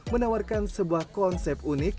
menawarkan sebuah konsep unik